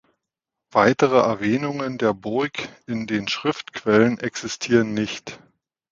Weitere Erwähnungen der Burg in den Schriftquellen existieren nicht.